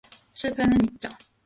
실패는 잊자.